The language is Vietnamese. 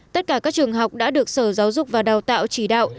tất cả các trường học đã được sở giáo dục và đào tạo chỉ đạo